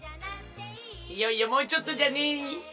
いよいよもうちょっとじゃねえ！